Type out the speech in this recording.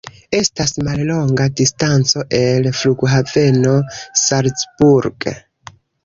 Estas mallonga distanco el Flughaveno Salzburg.